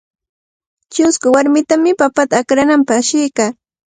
Chusku warmitami papata akrananpaq ashiykaa.